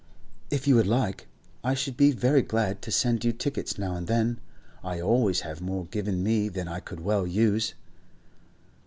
If you would like, I should be very glad to send you tickets now and then. I always have more given me than I can well use.